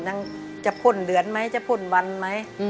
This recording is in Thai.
นางจะพ่นเหลือนไหมจะพ่นวันไหม